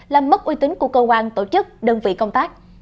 làm mất uy tín của cơ quan tổ chức đơn vị công tác